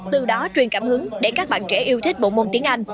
từ đó truyền cảm hứng để các bạn trẻ yêu thích bộ môn tiếng anh